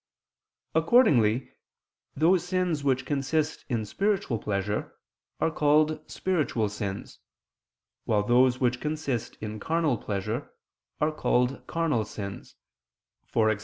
Accordingly, those sins which consist in spiritual pleasure, are called spiritual sins; while those which consist in carnal pleasure, are called carnal sins, e.g.